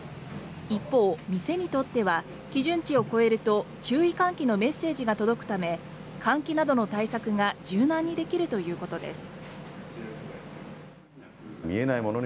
一方、店にとっては基準値を超えると注意喚起のメッセージが届くため換気などの対策が柔軟にできるということです。